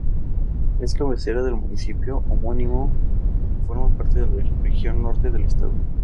Es cabecera del municipio homónimo y forma parte de la región Norte del estado.